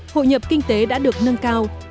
hội nhập kinh tế đã được nâng cao